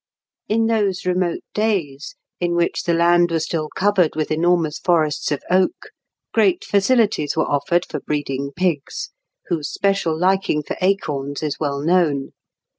] In those remote days, in which the land was still covered with enormous forests of oak, great facilities were offered for breeding pigs, whose special liking for acorns is well known.